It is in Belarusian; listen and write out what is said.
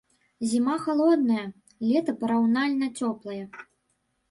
Зіма халодная, лета параўнальна цёплае.